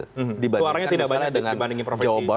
suaranya tidak banyak dibandingkan profesi jawa timur